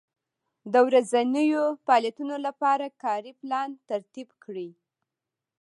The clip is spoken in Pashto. د ورځنیو فعالیتونو لپاره کاري پلان ترتیب کړئ.